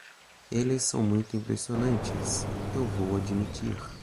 Eles são muito impressionantes? eu vou admitir.